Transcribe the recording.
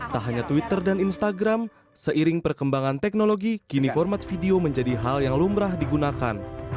tak hanya twitter dan instagram seiring perkembangan teknologi kini format video menjadi hal yang lumrah digunakan